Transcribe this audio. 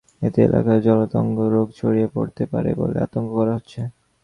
এতে এলাকায় জলাতঙ্ক রোগ ছড়িয়ে পড়তে পারে বলে আশঙ্কা করা হচ্ছে।